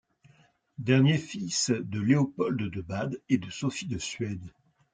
Dernier fils de Léopold de Bade et de Sophie de Suède.